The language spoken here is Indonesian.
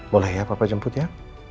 boleh ya papa jemput ya